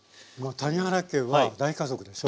谷原家は大家族でしょ。